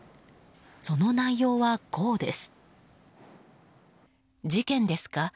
その内容は、こうです。